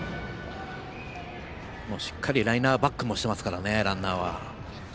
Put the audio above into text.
しっかりライナーバックもしてますからね、ランナーは。